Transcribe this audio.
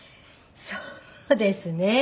そうですね。